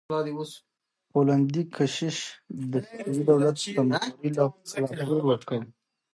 پولندي کشیش د صفوي دولت کمزورۍ راپور ورکړ.